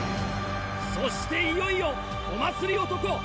そしていよいよお祭り男